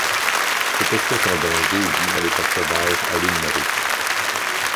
Cette espèce en danger vit à l'état sauvage à l'île Maurice.